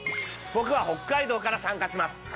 僕は北海道から参加します。